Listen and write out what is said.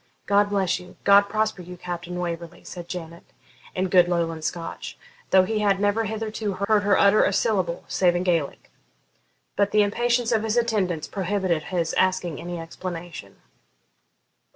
'God bless you! God prosper you, Captain Waverley!' said Janet, in good Lowland Scotch, though he had never hithero heard her utter a syllable, save in Gaelic. But the impatience of his attendants prohibited his asking any explanation.